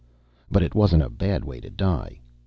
But it wasn't a bad way to die.